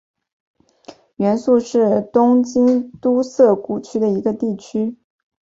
原宿是东京都涩谷区的一个地区。